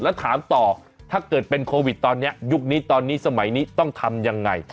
แล้วถามต่อถ้าเกิดเป็นโควิดตอนนี้ยุคนี้ตอนนี้สมัยนี้ต้องทำยังไง